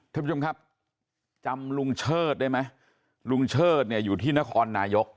ท่านผู้ชมครับจำลุงเชิดได้ไหมลุงเชิดเนี่ยอยู่ที่นครนายก